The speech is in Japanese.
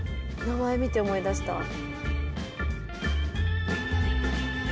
名前見て思い出した。